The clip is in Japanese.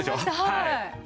はい。